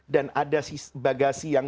dan ada bagasi yang